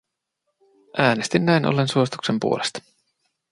Äänestin näin ollen suosituksen puolesta.